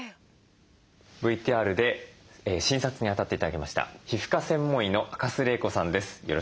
ＶＴＲで診察にあたって頂きました皮膚科専門医の赤須玲子さんです。